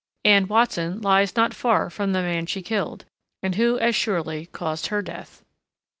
Anne Watson lies not far from the man she killed, and who as surely caused her death.